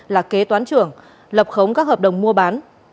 là kế toán trưởng lập khống các hợp đồng mua bán